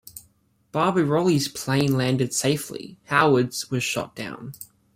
Barbirolli's plane landed safely; Howard's was shot down.